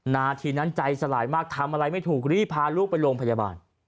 นาทีนั้นใจสลายมากทำอะไรไม่ถูกรีบพาลูกไปโรงพยาบาล